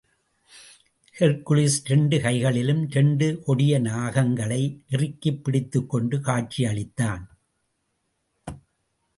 Hercules இரண்டு கைகளிலும் இரண்டு கொடிய நாகங்களை இறுகப் பிடித்துக் கொண்டு காட்சியளித்தான்.